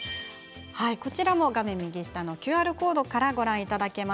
画面右下のＱＲコードからご覧いただけます。